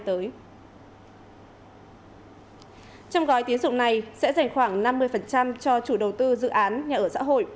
trong gói tiến dụng này sẽ dành khoảng năm mươi cho chủ đầu tư dự án nhà ở xã hội